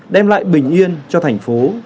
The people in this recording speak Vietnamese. đem lại bình yên cho thành phố